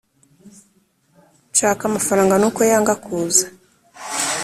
Nshaka amafaranga nuko yanga kuza